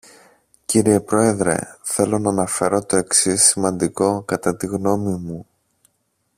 Κύριε Πρόεδρε, θέλω να αναφέρω το εξής σημαντικό κατά τη γνώμη μου.